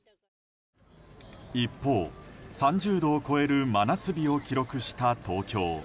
一方、３０度を超える真夏日を記録した東京。